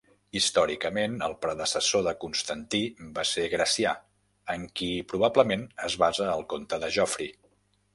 Històricament, el predecessor de Constantí va ser Gracià, en qui probablement es basa el conte de Geoffrey.